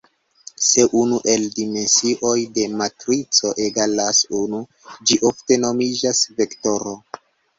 Se unu el dimensioj de matrico egalas unu, ĝi ofte nomiĝas vektoro.